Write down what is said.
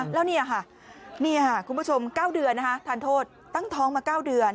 แล้วนี่คุณผู้ชม๙เดือนทันโทษตั้งท้องมา๙เดือน